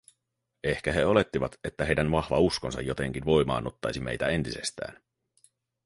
Ehkä he olettivat, että heidän vahva uskonsa jotenkin voimaannuttaisi meitä entisestään.